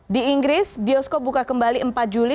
di inggris bioskop buka kembali empat juli